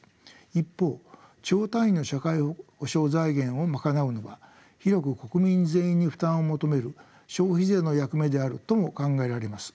一方兆単位の社会保障財源を賄うのは広く国民全員に負担を求める消費税の役目であるとも考えられます。